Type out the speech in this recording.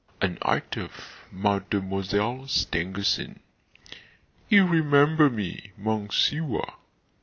An Act of Mademoiselle Stangerson "You remember me, Monsieur?"